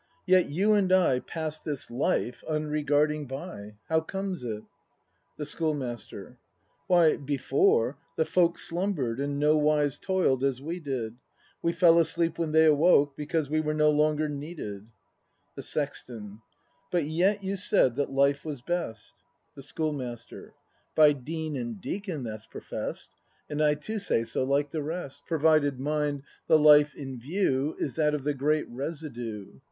Yet you and I Pass this "life" unregarding by; How comes it ? The Schoolmaster. Why, before, the folk Slumber'd, and nowise toil'd, as we did; We fell asleep when they awoke. Because we were no longer needed. The Sexton. But yet you said that life was best? ACT V] BRAND 215 The Schoolmaster. By Dean and deacon that's profess'd. And I too say so, like the rest, — Provided, mind, the "life" in view Is that of the great Residue.